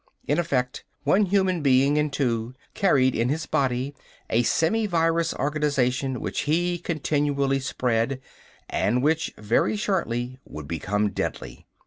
In effect, one human being in two carried in his body a semi virus organization which he continually spread, and which very shortly would become deadly.